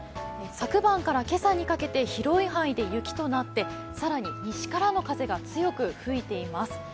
昨晩から今朝にかけて広い範囲で雪となって更に西からの風が強く吹いています。